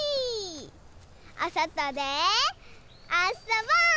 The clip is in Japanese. おそとであそぼう！